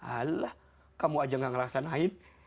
alah kamu saja tidak merasa lain